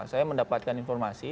saya mendapatkan informasi